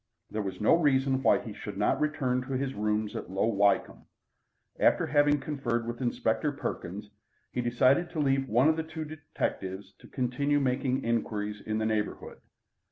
There was no reason why he should not return to his rooms at Low Wycombe. After having conferred with Inspector Perkins, he decided to leave one of the two detectives to continue making inquiries in the neighbourhood.